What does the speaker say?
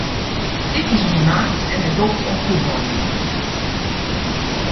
Dit is myn maat en hy docht oan fuotbaljen.